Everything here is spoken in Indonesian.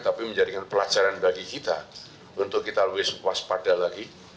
tapi menjadikan pelajaran bagi kita untuk kita lebih waspada lagi